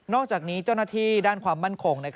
อกจากนี้เจ้าหน้าที่ด้านความมั่นคง